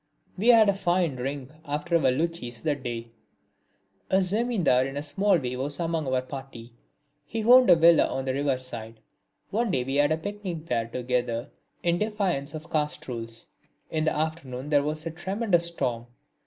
We had a fine drink after our luchis that day. A Zamindar in a small way was among our party. He owned a villa on the river side. One day we had a picnic there together, in defiance of caste rules. In the afternoon there was a tremendous storm.